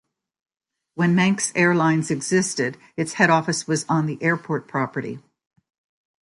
When Manx Airlines existed, its head office was on the airport property.